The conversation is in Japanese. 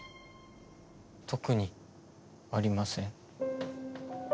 特にありません。